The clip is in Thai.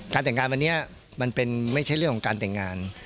แต่งงานวันนี้มันเป็นไม่ใช่เรื่องของการแต่งงาน